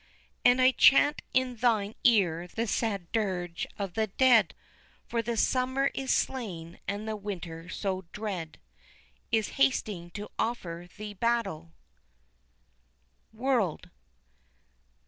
And I chant in thine ear the sad dirge of the dead, For the summer is slain and the winter so dread Is hasting to offer thee battle. _World.